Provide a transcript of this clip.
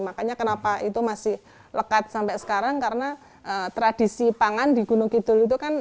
makanya kenapa itu masih lekat sampai sekarang karena tradisi pangan di gunung kidul itu kan